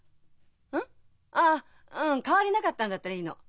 うん？ああ変わりなかったんだったらいいの。